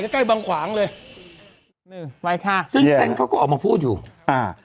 ก็ใกล้บังขวางเลยหนึ่งไว้ค่ะค่ะเขาก็ออกมาพูดอยู่อ่า